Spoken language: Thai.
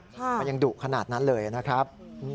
มันยังดุขนาดนั้นเลยนะครับ